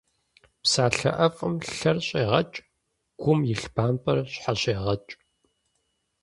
Псалъэ ӏэфӏым лъэр щӏегъэкӏ, гум илъ бампӏэр щхьэщегъэкӏ.